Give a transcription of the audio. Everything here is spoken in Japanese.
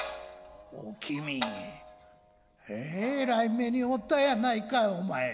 「おきみえらい目に遭うたやないかいお前。